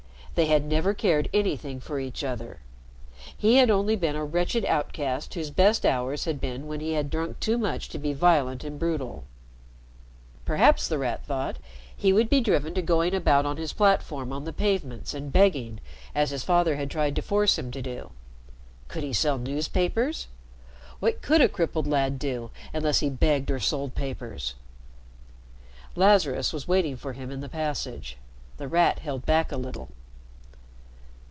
They had never cared anything for each other. He had only been a wretched outcast whose best hours had been when he had drunk too much to be violent and brutal. Perhaps, The Rat thought, he would be driven to going about on his platform on the pavements and begging, as his father had tried to force him to do. Could he sell newspapers? What could a crippled lad do unless he begged or sold papers? Lazarus was waiting for him in the passage. The Rat held back a little.